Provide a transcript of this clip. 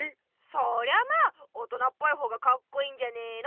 そりゃまあ大人っぽい方がかっこいいんじゃねの？